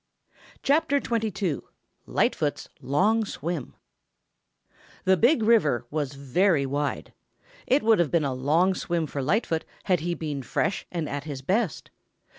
CHAPTER XXII LIGHTFOOT'S LONG SWIM The Big River was very wide. It would have been a long swim for Lightfoot had he been fresh and at his best.